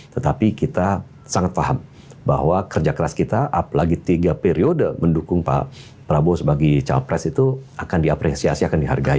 tetapi kita sangat paham bahwa kerja keras kita apalagi tiga periode mendukung pak prabowo sebagai capres itu akan diapresiasi akan dihargai